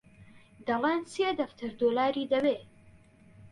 دەڵێن سێ دەفتەر دۆلاری دەوێ